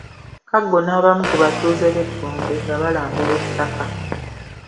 Kaggo n’abamu ku batuuze b’e Gombe nga balambula ettaka.